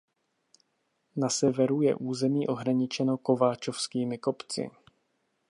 Na severu je území ohraničeno Kováčovskými kopci.